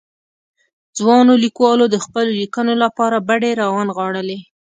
ځوانو ليکوالو د خپلو ليکنو لپاره بډې را ونغاړلې.